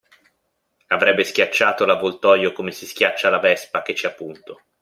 Avrebbe schiacciato l'avvoltoio come si schiaccia la vespa che ci ha punto.